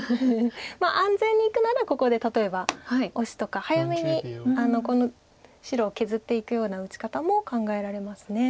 まあ安全にいくならここで例えばオシとか早めにこの白を削っていくような打ち方も考えられます。